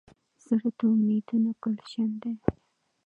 زړه د امیدونو ګلشن دی.